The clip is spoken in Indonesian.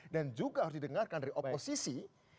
dan juga harus didengarkan dari oposisi